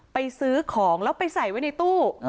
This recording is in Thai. ซื้อของแล้วไปใส่ไว้ในตู้